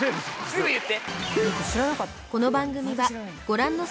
すぐ言って！